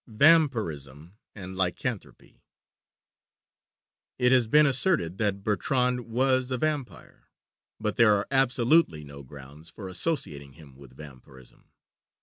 VAMPIRISM AND LYCANTHROPY It has been asserted that Bertrand was a vampire; but there are absolutely no grounds for associating him with vampirism.